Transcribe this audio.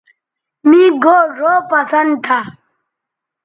مے گھؤ ڙھؤ پسند تھا